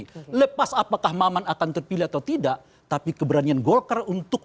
tidak terlalu jelas apakah maman akan terpilih atau tidak tapi keberanian golkar untuk